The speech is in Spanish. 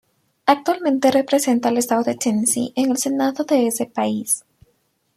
Actualmente representa al estado de Tennessee en el Senado de ese país.